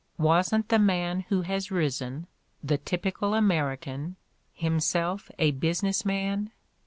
Wasn't the "man who has risen," the typical American, himself a busi ness man?